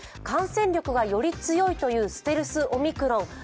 感染力がより強いというステルスオミクロン。